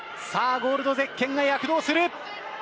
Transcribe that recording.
ゴールドゼッケンが躍動する。